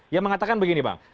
yang mengatakan begini bang